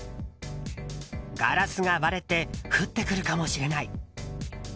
ガラスが割れて降ってくるかもしれない。